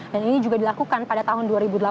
ini juga dilakukan pada tahun dua ribu delapan belas